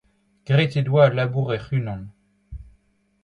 Graet he doa al labour hec'h-unan.